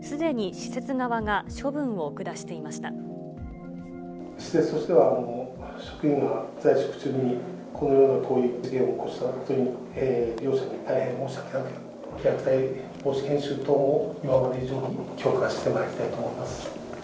施設としては、職員が在職中にこのような事件を起こしたことに、利用者に大変申し訳なく、虐待防止研修等を、今まで以上に強化してまいりたいと思います。